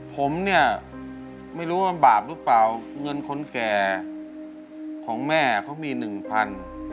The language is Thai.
ผมเนี่ยไม่รู้ว่ามันบาปหรือเปล่าเงินคนแก่ของแม่เขามีหนึ่งพัน